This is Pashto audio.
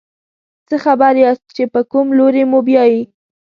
څه خبر یاست چې په کوم لوري موبیايي.